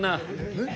えっ？